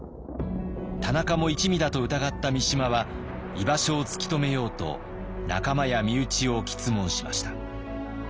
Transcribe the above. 田中も一味だと疑った三島は居場所を突き止めようと仲間や身内を詰問しました。